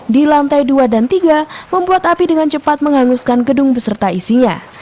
di lantai dua dan tiga membuat api dengan cepat menghanguskan gedung beserta isinya